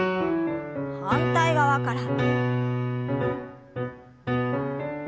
反対側から。